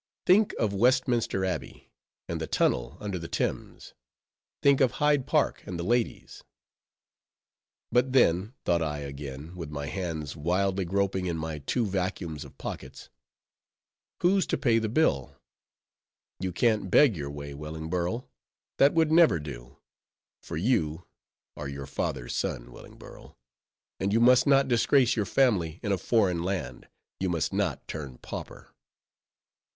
Think of Westminster Abbey, and the Tunnel under the Thames! Think of Hyde Park, and the ladies! But then, thought I again, with my hands wildly groping in my two vacuums of pockets—who's to pay the bill?—You can't beg your way, Wellingborough; that would never do; for you are your father's son, Wellingborough; and you must not disgrace your family in a foreign land; you must not turn pauper.